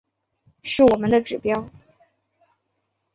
是我们的指标